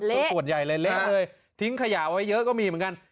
ส่วนใหญ่เลยเละเลยทิ้งขยะไว้เยอะก็มีเหมือนกัน